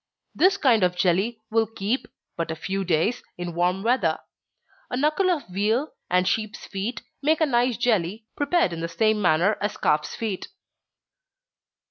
This kind of jelly will keep but a few days, in warm weather. A knuckle of veal, and sheep's feet, make a nice jelly, prepared in the same manner as calf's feet.